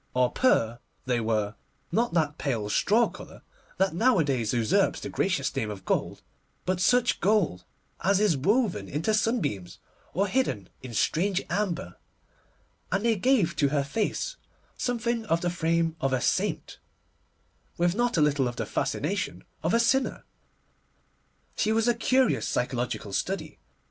Or pur they were—not that pale straw colour that nowadays usurps the gracious name of gold, but such gold as is woven into sunbeams or hidden in strange amber; and they gave to her face something of the frame of a saint, with not a little of the fascination of a sinner. She was a curious psychological study.